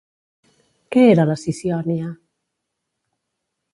Què era la Siciònia?